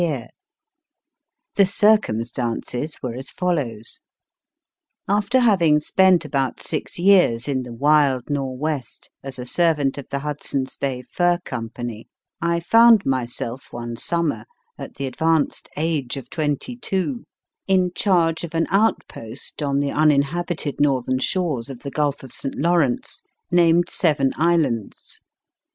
WHERE I WROTE MY FIRST BOOK (A Sketch by the Author] 152 MY FIRST BOOK The circumstances were as follows : After having spent about six years in the wild Nor West, as a servant of the Hudson s Bay Fur Company, I found myself, one summer at the advanced age of twenty two in charge of an outpost on the uninhabited northern shores of the Gulf of St. Lawrence named Seven Islands.